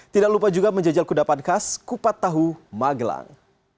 tidak lupa juga menjajal kudapan khas kupat tahu magelang